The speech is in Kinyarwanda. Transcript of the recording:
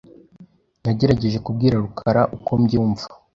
Nagerageje kubwira rukara uko mbyumva .